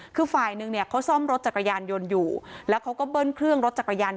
คือฝ่ายหนึ่งเนี่ยเขาซ่อมรถจักรยานยนต์อยู่แล้วเขาก็เบิ้ลเครื่องรถจักรยาน